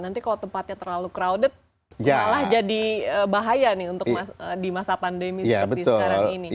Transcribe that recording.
nanti kalau tempatnya terlalu crowded malah jadi bahaya nih untuk di masa pandemi seperti sekarang ini